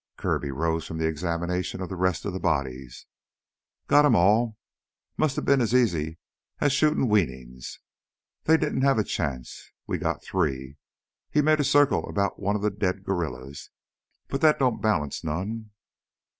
Kirby arose from the examination of the rest of the bodies. "Got 'em all. Musta bin as easy as shootin' weanlin's. They didn't have a chance! We got three " He made a circle about one of the dead guerrillas "but that don't balance none."